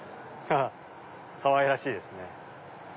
かわいらしいですね。